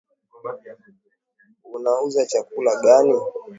Unauza chakula gani?